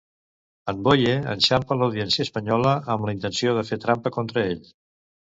En Boye enxampa l'Audiència espanyola amb la intenció de fer trampa contra ell.